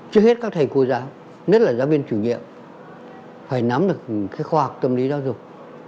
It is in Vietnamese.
trước hết các thầy cô giáo rất là giáo viên chủ nhiệm phải nắm được khoa học tâm lý đa dục